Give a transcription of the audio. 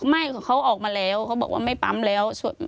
ไม่เขาออกมาแล้วเขาบอกว่าไม่ปั๊มแล้ว